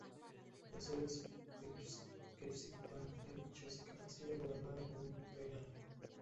La sede episcopal de Chosica ha sido gobernada por un prelado.